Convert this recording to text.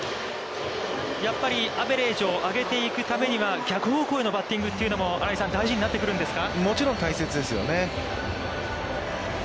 やっぱりアベレージを上げていくためには、逆方向へのバッティングも新井さん、大事になってくるんですか。